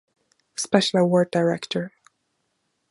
Special Award Director